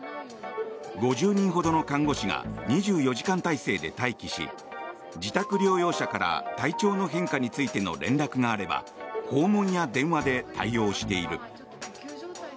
５０人ほどの看護師が２４時間体制で待機し自宅療養者から体調の変化についての連絡があれば訪問や電話で対応している。